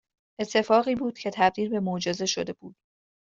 اتفاقی بود که تبدیل به معجزه شده بود